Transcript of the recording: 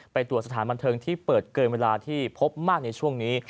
ไปตรวจสถานบันเทิงที่เปิดเกินเวลาที่พบมากในช่วงนี้